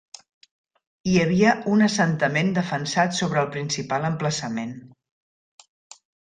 Hi havia un assentament defensat sobre el principal emplaçament.